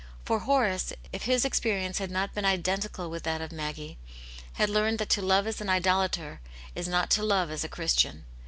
For Horace, if his experience had not been iden tical with that of Maggie, had learned that to love as an idolator is not to love as a Christian.